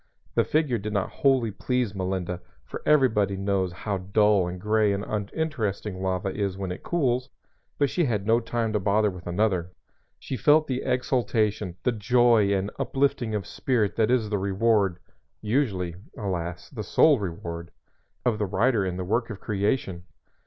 (The figure did not wholly please Melinda, for everybody knows how dull and gray and uninteresting lava is when it cools, but she had no time to bother with another.) She felt the exultation, the joy and uplifting of spirit that is the reward usually, alas, the sole reward of the writer in the work of creation.